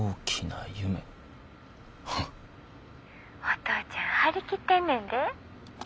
お父ちゃん張り切ってんねんで。